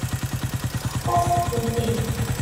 Ṭṭfet-asent-ten-id.